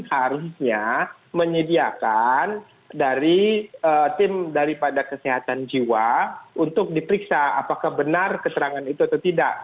harusnya menyediakan dari tim daripada kesehatan jiwa untuk diperiksa apakah benar keterangan itu atau tidak